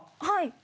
はい。